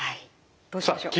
どうしましょう？